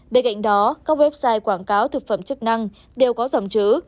bên cạnh đó các website quảng cáo thực phẩm chức năng đều có dòng chữ